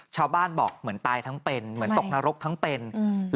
ชาวบ้านบอกเหมือนตายทั้งเป็นเหมือนตกนรกทั้งเป็นอืม